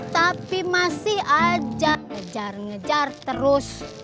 tapi masih aja ngejar ngejar terus